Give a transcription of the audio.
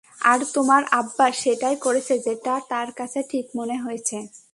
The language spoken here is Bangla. আর তোমার আব্বা সেটাই করেছে যেটা তার কাছে ঠিক মনে হয়েছে।